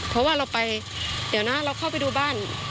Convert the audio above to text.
เพราะว่าเราไปเดี๋ยวนะเราเข้าไปดูบ้าน